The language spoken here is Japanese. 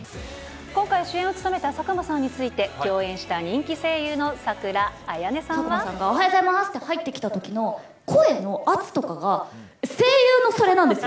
今回、主演を務めた佐久間さんについて、共演した人気声優の佐倉綾音さんは。佐久間さんがおはようございますって入ってきたときの声の圧とかが、声優のそれなんですよ。